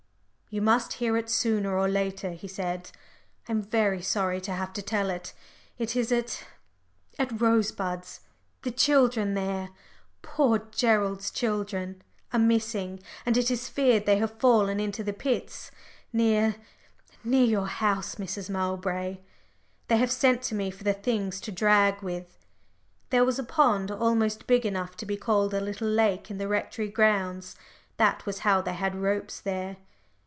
"You must hear it sooner or later," he said; "I'm very sorry to have to tell it. It is at at Rosebuds the children there, poor Gerald's children are missing, and it is feared they have fallen into the pits near near your house, Mrs. Mowbray. They have sent to me for the things to drag with." (There was a pond almost big enough to be called a little lake in the Rectory grounds: that was how they had ropes there.)